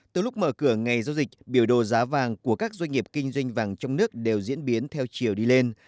từ lúc mở cửa ngày giao dịch biểu đồ giá vàng của các doanh nghiệp kinh doanh vàng trong nước đều diễn biến theo chiều đi lên